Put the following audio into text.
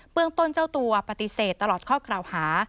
เมืองต้นเจ้าตัวปฏิเสธตลอดข้อกล่าวหา